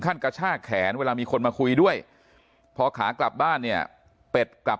กระชากแขนเวลามีคนมาคุยด้วยพอขากลับบ้านเนี่ยเป็ดกลับ